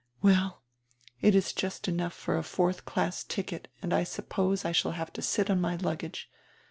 Well, it is just enough for a fourth class ticket and I suppose I shall have to sit on my luggage.